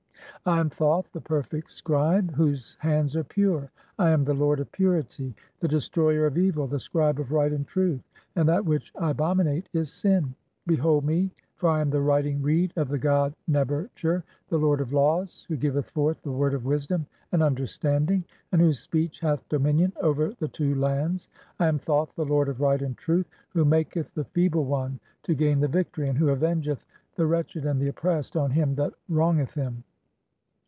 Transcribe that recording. "I am Thoth, the perfect scribe, whose hands are pure. I am "the lord of purity, the destroyer of evil, the scribe of right "and truth, and that which I abominate is (42) sin. Behold "me, for I am the writing reed of the god Neb er tcher, the "lord of laws, who giveth forth the word of wisdom and under standing, and whose speech hath dominion over the two lands. "I am (43) Thoth, the lord of right and truth, who maketh "the feeble one to gain the victory, and who avengeth the "wretched and the oppressed on him that wrongeth him.